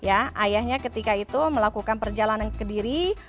ayahnya ketika itu melakukan perjalanan ke kediri